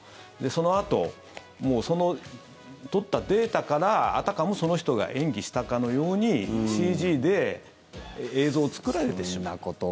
そのあと、その取ったデータからあたかもその人が演技したかのようにＣＧで映像を作られてしまう。